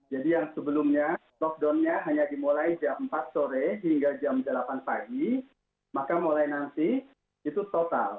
yang sebelumnya lockdownnya hanya dimulai jam empat sore hingga jam delapan pagi maka mulai nanti itu total